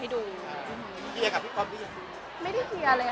อ๋อได้ดูแล้วค่ะได้ดูแล้วค่ะ